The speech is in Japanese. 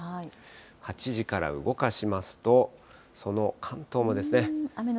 ８時から動かしますと、その関東も。